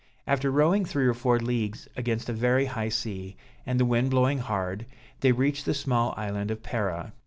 After rowing three or four leagues against a very high sea, and the wind blowing hard, they reached the small island of Pera.